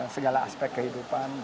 segala aspek kehidupan